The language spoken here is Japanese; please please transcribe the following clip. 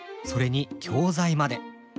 それに教材まで。